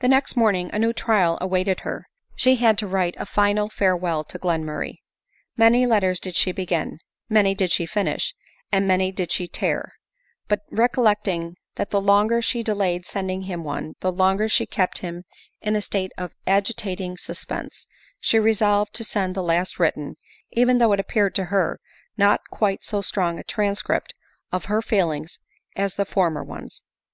The next morning a new trial awaited her ; she had to write a final farewell to Glenmurray. Many letters did she begin, many did she finish, and many did she tqar ; but recollecting that the longer she delayed sending him one, the longer she kept him in a state of agitating sus pense, she resolved to send the last written, even though it appeared to her not quite so strong a transcript of her feelings as the former ones.